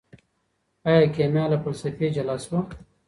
ايا کيميا له فلسفې جلا سوه؟